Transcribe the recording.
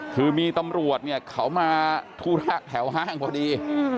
คือมีตำรวจเขามาธุระแถวฮ่างพอดี